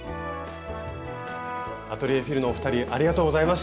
アトリエＦｉｌのお二人ありがとうございました！